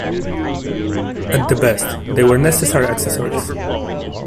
At the best, they were necessary accessories.